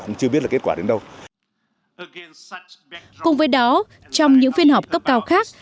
trong những phiên họp các cộng đồng cấp cao khác